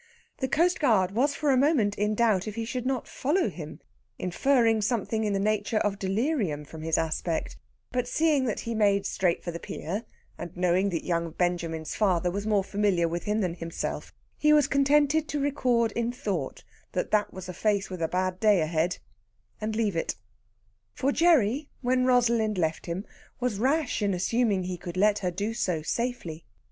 The coastguard was for a moment in doubt if he should not follow him, inferring something in the nature of delirium from his aspect; but seeing that he made straight for the pier, and knowing that young Benjamin's father was more familiar with him than himself, he was contented to record in thought that that was a face with a bad day ahead, and leave it. For Gerry, when Rosalind left him, was rash in assuming he could let her do so safely.